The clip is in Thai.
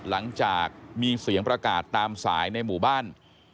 หลังจากมีเสียงประกาศตามสายในหมู่บ้าน